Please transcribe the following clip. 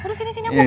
udah sini sini aku